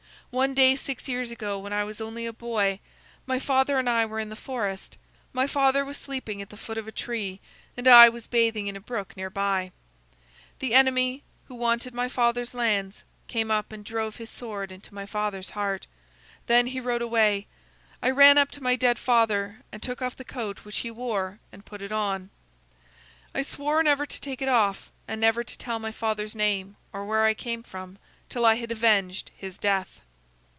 One day, six years ago, when I was only a boy, my father and I were in the forest. My father was sleeping at the foot of a tree, and I was bathing in a brook near by. This enemy, who wanted my father's lands, came up and drove his sword into my father's heart. Then he rode away. I ran up to my dead father and took off the coat which he wore and put it on. I swore never to take it off, and never to tell my father's name or where I came from, till I had avenged his death.